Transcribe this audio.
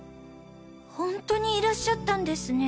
本当にいらっしゃったんですね。